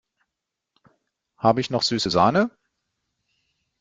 Habe ich noch süße Sahne?